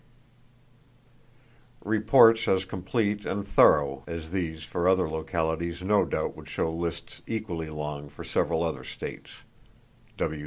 L.D.) (Reports as complete and thorough as these for other localities no doubt would show lists equally long for several other states.